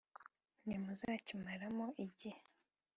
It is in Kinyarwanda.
Ntimuzakimaramo igihe,